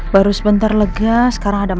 baru sebentar lega sekarang ada empat